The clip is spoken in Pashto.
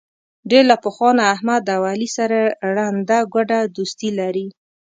ډېر له پخوا نه احمد او علي سره ړنده ګوډه دوستي لري.